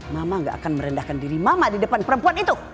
mama gak akan merendahkan diri mama di depan perempuan itu